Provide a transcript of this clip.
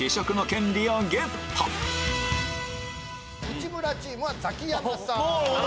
内村チームはザキヤマさん。